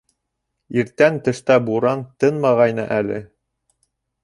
Иртән тышта буран тынмағайны әле.